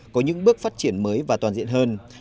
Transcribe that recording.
có những bước phát triển mới và toàn diện hơn